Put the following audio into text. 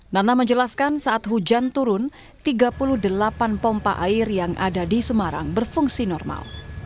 nana menjelaskan saat hujan turun tiga puluh delapan pompa air yang ada di semarang berfungsi normal